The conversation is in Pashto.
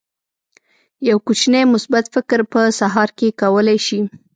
یو کوچنی مثبت فکر په سهار کې کولی شي.